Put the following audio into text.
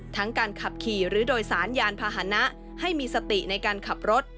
การขับขี่หรือโดยสารยานพาหนะให้มีสติในการขับรถ